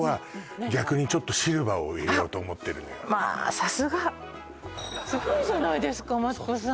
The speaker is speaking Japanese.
さすがっすごいじゃないですかマツコさん